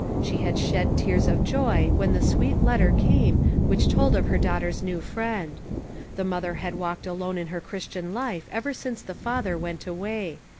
She had shed tears of joy when the sweet letter came which told of her daughter's new Friend. The mother had walked alone in her Christian life ever since the father went away.